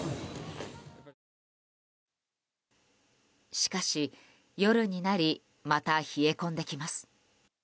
しかし、夜になりまた冷え込んできます。